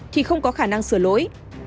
thì không có khả năng sửa lỗi